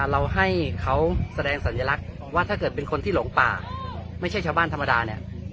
เราให้เขาแสดงสัญลักษณ์ว่าถ้าเกิดเป็นคนที่หลงป่าไม่ใช่ชาวบ้านธรรมดาเนี่ย